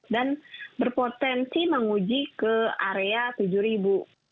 dan berpotensi menguji ke area rp tujuh